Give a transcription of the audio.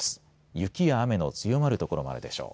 雪や雨の強まる所もあるでしょう。